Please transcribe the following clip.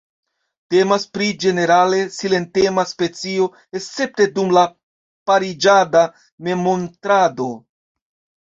Temas pri ĝenerale silentema specio, escepte dum la pariĝada memmontrado.